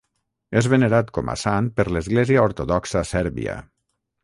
És venerat com a sant per l'Església Ortodoxa Sèrbia.